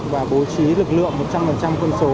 và bố trí lực lượng một trăm linh quân số